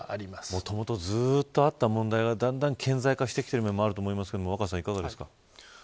もともとずっとあった問題がだんだん顕在化している面もあると思いますが若狭さん、いかがですか。